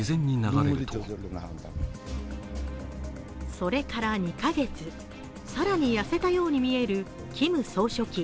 それから２カ月、更に痩せたように見えるキム総書記。